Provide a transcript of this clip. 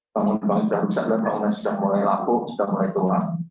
bangunan bangunan sudah rusak bangunan sudah mulai lapuk sudah mulai tua